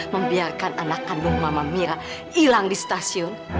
membiarkan anak kandung mama mia hilang di stasiun